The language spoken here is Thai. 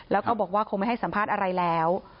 แล้วก็บอกว่าคงไม่ให้สัมภาษณ์อะไรแล้ว